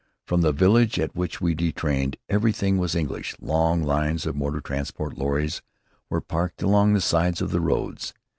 From the village at which we detrained, everything was English. Long lines of motor transport lorries were parked along the sides of the roads.